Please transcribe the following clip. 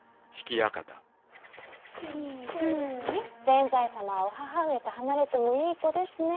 善哉様はお母上と離れてもいい子ですね。